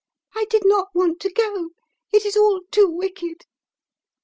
I did not want to go — it is all too wicked!"